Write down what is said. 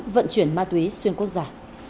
vận chuyển ma túy xuyên quốc gia